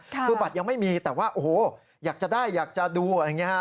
คือบัตรยังไม่มีแต่ว่าโอ้โหอยากจะได้อยากจะดูอะไรอย่างนี้ฮะ